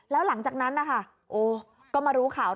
แล้วหลังจากนั้นก็มารู้ข่าวค่ะ